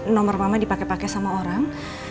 nomor mama dipake pake sama orang